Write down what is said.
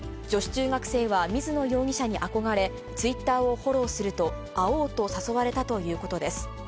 女子中学生は水野容疑者に憧れ、ツイッターをフォローすると、会おうと誘われたということです。